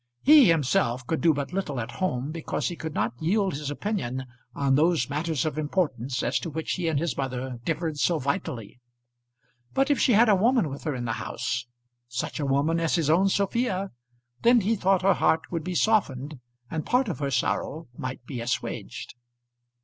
He himself could do but little at home because he could not yield his opinion on those matters of importance as to which he and his mother differed so vitally; but if she had a woman with her in the house, such a woman as his own Sophia, then he thought her heart would be softened and part of her sorrow might be assuaged.